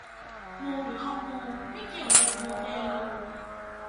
มูหรือคอมมู ไม่เกี่ยวไรกับมูเตลู